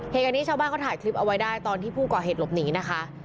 เหตุการณ์นี้ชาวบ้านเขาถ่ายคลิปเอาไว้ได้ตอนที่ผู้ก่อเหตุหลบหนีนะคะ